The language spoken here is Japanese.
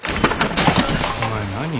お前何？